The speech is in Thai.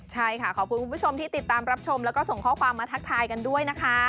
ใช่ค่ะขอบคุณคุณผู้ชมที่ติดตามรับชมแล้วก็ส่งข้อความมาทักทายกันด้วยนะคะ